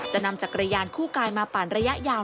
จะนำจักรยานคู่กายมาปั่นระยะยาว